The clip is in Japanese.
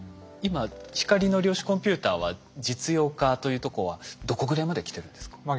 今光の量子コンピューターは実用化というとこはどこぐらいまで来てるんですか？